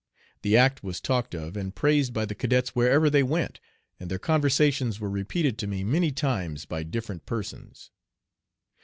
The act was talked of and praised by the cadets wherever they went, and their conversations were repeated to me many times by different persons.